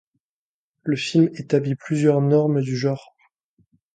Le film établit plusieurs normes du genre.